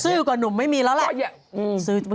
ซื้อก่อนหนุ่มไม่มีแล้วแหละ